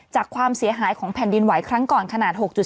ความเสียหายของแผ่นดินไหวครั้งก่อนขนาด๖๐